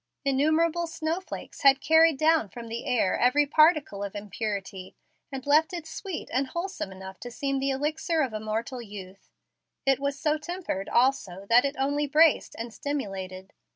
Innumerable snow flakes had carried down from the air every particle of impurity, and left it sweet and wholesome enough to seem the elixir of immortal youth. It was so tempered also, that it only braced and stimulated.